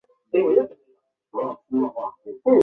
蔡素女有一姊蔡亦好及一弟蔡寿郎。